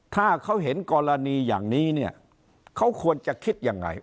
ถ้าเขาเห็นกรณีอย่างนี้เนี่ยเขาควรจะคิดยังไง